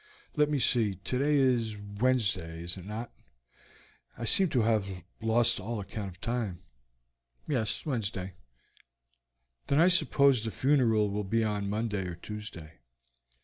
Let me see, today is Wednesday, is it not? I seem to have lost all account of the time." "Yes, Wednesday." "Then I suppose the funeral will be on Monday or Tuesday.